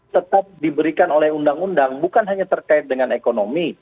tetap diberikan oleh undang undang bukan hanya terkait dengan ekonomi